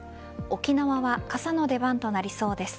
沖縄は傘の出番となりそうです。